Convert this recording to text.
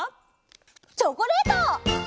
「チョコレート！」